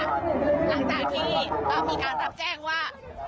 หลังจากที่ก็มีการรับแจ้งว่า